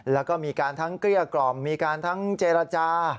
แล้วก็มีการทั้งเกลี้ยกล่อมมีการทั้งเจรจา